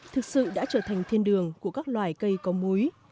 thực sự đã trở thành thiên đường của các loài cây có múi